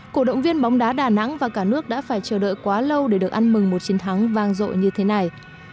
cổ động viên bóng đá đà nẵng và cả nước đã phải chờ đợi quá lâu để được ăn mừng một chiến thắng vang rộ như thế này